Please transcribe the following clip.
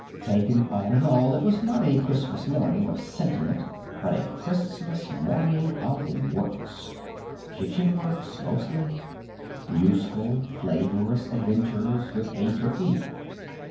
Taken all in all it was not a Christmas Morning of sentiment but a Christmas morning of works! Kitchen works, mostly! Useful, flavorous adventures with a turkey!